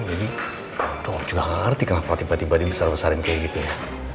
jadi om juga nggak ngerti kenapa tiba tiba dibesar besarin kayak gitu ya